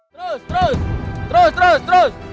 terus terus terus terus